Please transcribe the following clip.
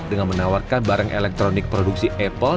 dengan menawarkan barang elektronik produksi apple